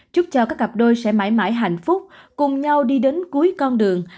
chúc cho các cặp đôi sẽ mãi mãi hạnh phúc cùng nhau đi đến cuối con đường